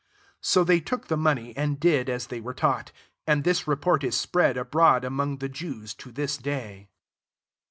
15 So they took the money, and did as they were taught : and this report is spread abroad among the Jews to this day.